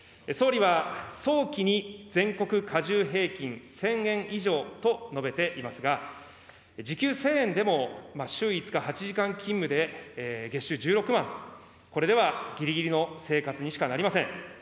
総理は早期に全国加重平均１０００円以上と述べていますが、時給１０００円でも週５日８時間勤務で月収１６万、これではぎりぎりの生活にしかなりません。